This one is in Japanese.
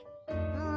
うん。